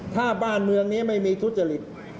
ถ้าบ้านเมืองนี้ไม่มีทุจริต